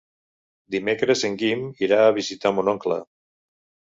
Dimecres en Guim irà a visitar mon oncle.